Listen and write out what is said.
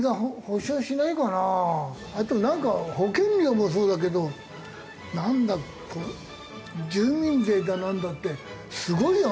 あとなんか保険料もそうだけどなんだ住民税だなんだってすごいよな。